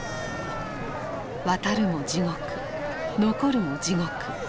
渡るも地獄残るも地獄。